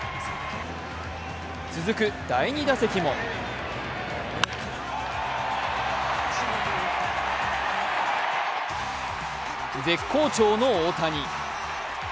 続く第２打席も絶好調の大谷。